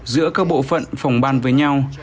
giữa các bộ phận phòng ban với nhau